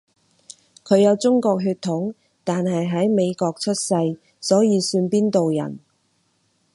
佢有中國血統，但係喺美國出世，所以算邊度人？